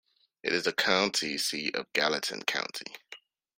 It is the county seat of Gallatin County.